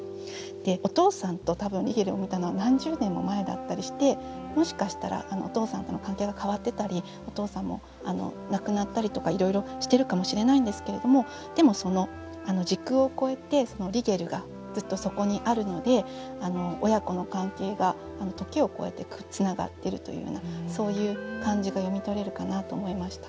お父さんと多分リゲルを見たのは何十年も前だったりしてもしかしたらお父さんとの関係が変わってたりお父さんも亡くなったりとかいろいろしてるかもしれないんですけれどもでも時空を超えてリゲルがずっとそこにあるので親子の関係が時を超えてつながってるというようなそういう感じが読み取れるかなと思いました。